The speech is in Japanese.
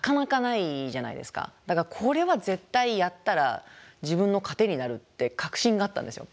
だからこれは絶対やったら自分の糧になるって確信があったんですよ。